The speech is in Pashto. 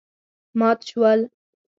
مات شول.